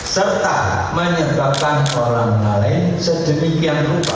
serta menyebabkan orang lain sedemikian lupa